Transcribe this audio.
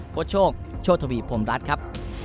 โปรดโชคโชธวิพรหมรัฐครับ